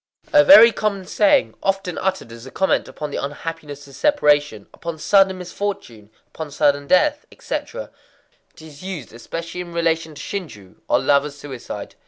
A very common saying,—often uttered as a comment upon the unhappiness of separation, upon sudden misfortune, upon sudden death, etc. It is used especially in relation to shinjū, or lovers' suicide.